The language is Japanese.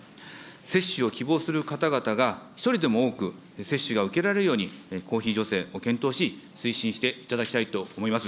接種を希望する方々が一人でも多く接種が受けられるように公費助成を検討し、推進していただきたいと思います。